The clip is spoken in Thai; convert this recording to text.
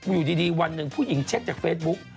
อยู่ดีวันหนึ่งผู้หญิงเช็คจากเฟซบุ๊ก